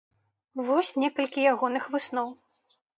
Вось некалькі ягоных высноў.